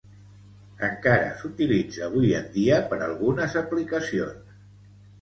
Encara s'utilitza avui en dia per algunes aplicacions.